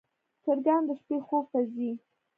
چرګان د شپې خوب ته ځي.